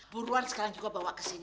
buruan sekarang juga bawa ke sini